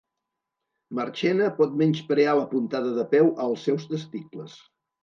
Marchena pot menysprear la puntada de peu als seus testicles